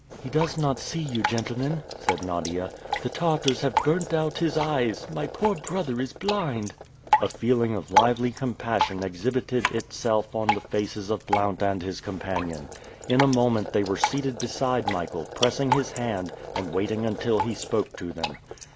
"He does not see you, gentlemen," said Nadia. "The Tartars have burnt out his eyes! My poor brother is blind!" A feeling of lively compassion exhibited itself on the faces of Blount and his companion. In a moment they were seated beside Michael, pressing his hand and waiting until he spoke to them.